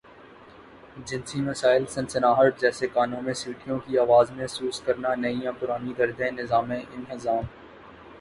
جنسی مسائل سنسناہٹ جیسے کانوں میں سیٹیوں کی آواز محسوس کرنا نئی یا پرانی دردیں نظام انہضام